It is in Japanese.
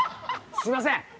すいません